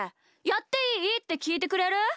「やっていい？」ってきいてくれる？